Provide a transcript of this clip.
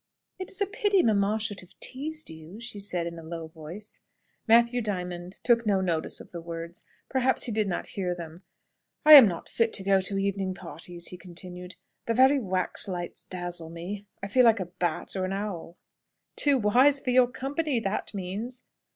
"It is a pity mamma should have teased you," she said, in a low voice. Matthew Diamond took no notice of the words. Perhaps he did not hear them. "I am not fit to go to evening parties," he continued. "The very wax lights dazzle me. I feel like a bat or an owl." "Too wise for your company, that means!"